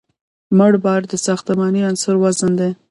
مړ بار د ساختماني عنصر وزن دی